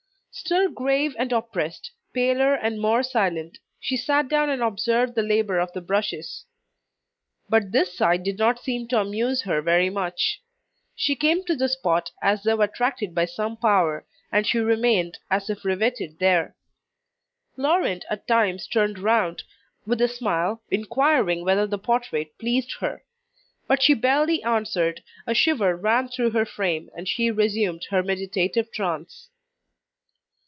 Still grave and oppressed, paler and more silent, she sat down and observed the labour of the brushes. But this sight did not seem to amuse her very much. She came to the spot, as though attracted by some power, and she remained, as if riveted there. Laurent at times turned round, with a smile, inquiring whether the portrait pleased her. But she barely answered, a shiver ran through her frame, and she resumed her meditative trance.